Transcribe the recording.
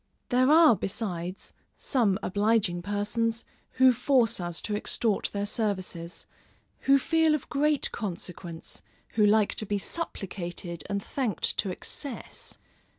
There are besides, some obliging persons, who force us to extort their services, who feel of great consequence, who like to be supplicated and thanked to excess.